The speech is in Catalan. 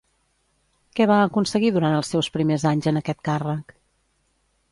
Què va aconseguir durant els seus primers anys en aquest càrrec?